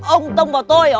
ông tông vào tôi